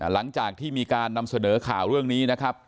หลังจากที่มีการนำเสนอข่าวเรื่องนี้นะครับ